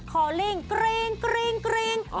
คอลิ่งกรีงกรีงกรีง